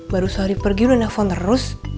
baru sehari pergi udah nelfon terus